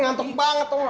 ngantuk banget tom